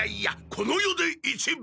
この世で一番！